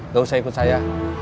gak usah ikut saya